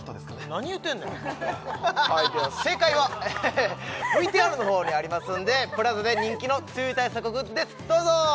何言うてんねんはいでは正解はＶＴＲの方にありますんでＰＬＡＺＡで人気の梅雨対策グッズですどうぞ！